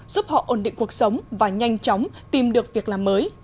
giúp họ ổn định cuộc sống và nhanh chóng tìm được việc làm mới